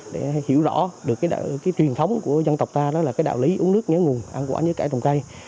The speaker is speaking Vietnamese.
để hiểu rõ được truyền thống của dân tộc ta là đạo lý uống nước nhớ nguồn ăn quả nhớ cải trồng cây